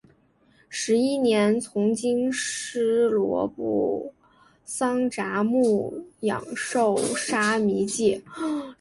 十一年从经师罗卜桑札木养受沙弥戒。